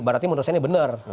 berarti menurut saya ini benar